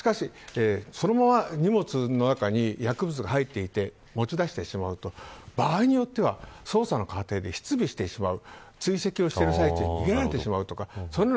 しかし、そのまま荷物の中に薬物が入っていて持ち出してしまうと場合によっては捜査の過程で損ってしまう。